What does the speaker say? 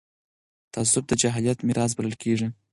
تعصب د جاهلیت میراث بلل کېږي